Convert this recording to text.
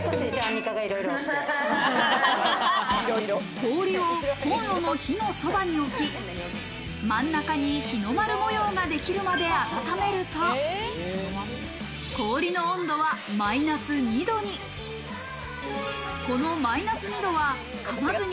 氷をコンロの火のそばに置き、真ん中に日の丸模様ができるまで温めると氷の温度はマイナス２度に。